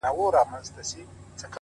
• په خيال كي ستا سره ياري كومه.